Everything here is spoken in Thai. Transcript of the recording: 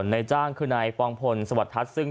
บัญชาการอมาสุดท้าน